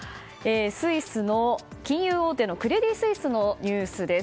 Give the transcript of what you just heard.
スイスの金融大手のクレディ・スイスのニュースです。